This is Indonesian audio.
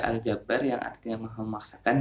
al jabar yang artinya memaksakan